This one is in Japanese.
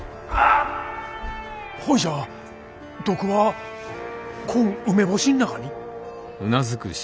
ほいじゃ毒はこん梅干しん中に？